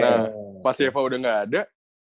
nah mas eva udah gak ada